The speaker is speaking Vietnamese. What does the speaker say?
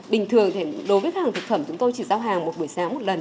bình thường đối với hàng thực phẩm chúng tôi chỉ giao hàng một buổi sáng một lần